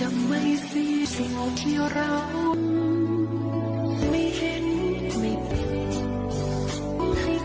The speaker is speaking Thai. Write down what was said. ไม่ให้ใจจนแม้อยากทิ้งไม่เคยมี